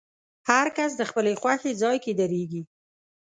هر کس د خپلې خوښې ځای کې درېږي.